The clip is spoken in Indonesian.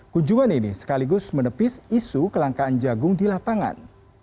kunjungan ini sekaligus menepis isu kelangkaan jagung di lapangan